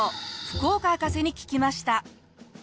福岡博士に聞きました。